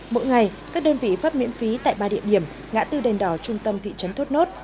mỗi ngày các đơn vị phát miễn phí tại ba địa điểm ngã tư đền đỏ trung tâm thị trấn thốt nốt